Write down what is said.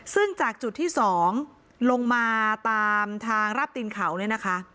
ซึ่งจากจุดที่๒ลงมาตามทางราบตีนเขาเนี่ยนะคะ